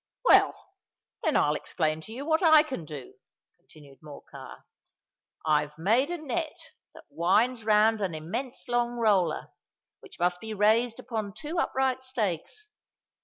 "Well—then I'll explain to you what I can do," continued Morcar. "I've made a net that winds round an immense long roller, which must be raised upon two upright stakes.